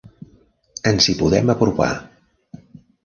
Ens hi podem apropar.